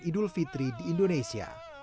idul fitri di indonesia